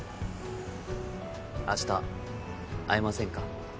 あした会えませんか？